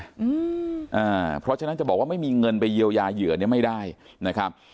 อืมอ่าเพราะฉะนั้นจะบอกว่าไม่มีเงินไปเยียวยาเหยื่อเนี้ยไม่ได้นะครับ